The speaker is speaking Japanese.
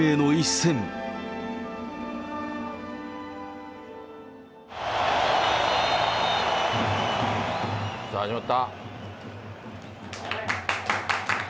さあ、始まった。